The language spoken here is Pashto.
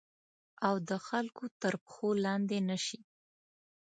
او د خلګو تر پښو لاندي نه شي